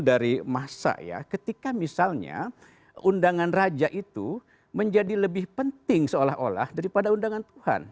dari masa ya ketika misalnya undangan raja itu menjadi lebih penting seolah olah daripada undangan tuhan